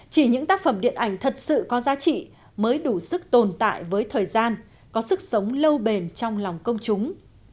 chỉ những tác phẩm điện ảnh thật sự có giá trị mới đủ sức tồn tại với thời gian có sức sống lâu bền trong lòng công chúng